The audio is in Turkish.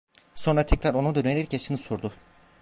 Sonra tekrar ona dönerek yaşını sordu.